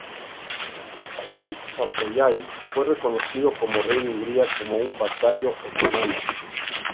Juan Szapolyai fue reconocido como rey de Hungría como un vasallo otomano.